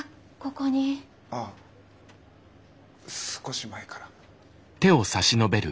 ああ少し前から。